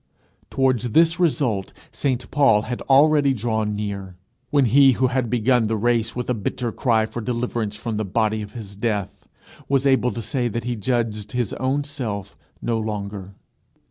Towards this result St Paul had already drawn near, when he who had begun the race with a bitter cry for deliverance from the body of his death, was able to say that he judged his own self no longer.